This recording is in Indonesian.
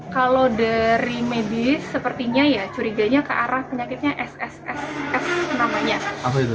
kalau dari medis sepertinya ya curiganya ke arah penyakitnya sss s namanya